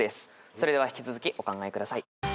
それでは引き続きお考えください。